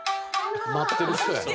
待ってる人やな。